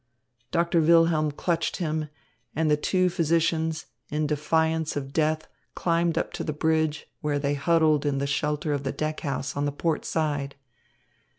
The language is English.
Doctor Wilhelm clutched him, and the two physicians, in defiance of death, climbed up to the bridge, where they huddled in the shelter of the deck house on the port side.